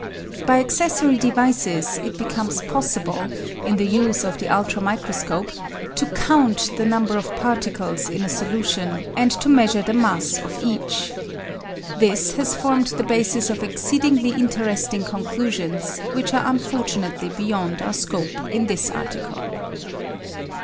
By accessory devices it becomes possible, in the use of the ultra micro scope, to count the number of particles in a solution and to measure the mass of each. This has formed the basis of exceed ingly interesting conclusions which are unfortunately beyond our scope in this article.